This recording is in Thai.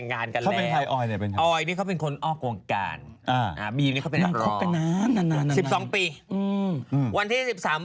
เนี่ยเขาแต่งงานกันแล้ว